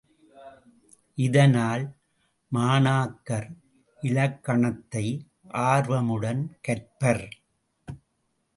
இதனால், மாணாக்கர் இலக்கணத்தை ஆர்வமுடன் கற்பர்.